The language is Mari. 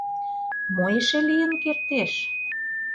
Мо эше лийын кертеш?..